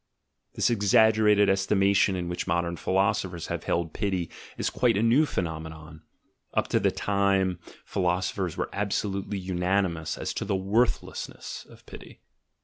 This exaggerated estimation in which modern philosophers have held pity, is quite a new phenomenon: up to that time philosophers were absolutely unanimous as to the worthlessness of pity.